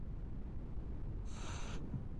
صدراعظم یې مولوي برکت الله و.